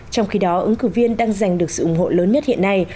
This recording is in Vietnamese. trong khi đó ứng cử viên đang giành được sự ủng hộ lớn nhất hiện nay